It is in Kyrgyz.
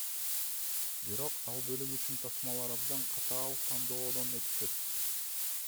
Бирок ал бөлүм үчүн тасмалар абдан катаал тандоодон өтүшөт.